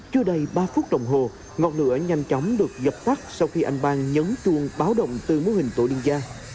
chưa đầy ba phút đồng hồ ngọn lửa nhanh chóng được dập tắt sau khi anh bang nhấn chuông báo động từ mô hình tổ liên gia